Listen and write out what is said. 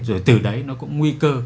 rồi từ đấy nó cũng nguy cơ